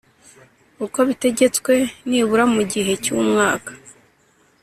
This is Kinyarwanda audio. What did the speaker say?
uko bitegetswe nibura mu gihe cyumwaka